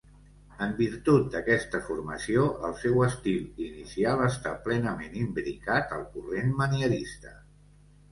En virtut d'aquesta formació, el seu estil inicial està plenament imbricat al corrent manierista.